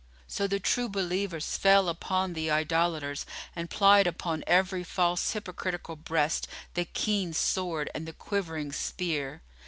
So the True Believers fell upon the idolaters and plied upon every false hypocritical breast the keen sword and the quivering spear.